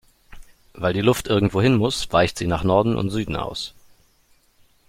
Weil die Luft irgendwo hin muss, weicht sie nach Norden und Süden aus.